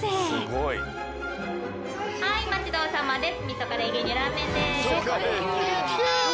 はいお待ち遠さまです。